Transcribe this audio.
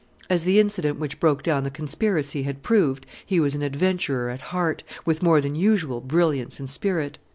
As the incident which broke down the conspiracy had proved, he was an adventurer at heart, with more than usual brilliance and spirit.